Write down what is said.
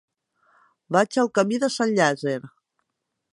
Vaig al camí de Sant Llàtzer.